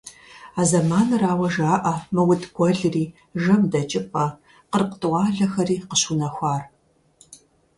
А зэманырауэ жаӀэ МыутӀ гуэлри, ЖэмдэкӀыпӀэ, Къыркъ тӀуалэхэри къыщыунэхуар.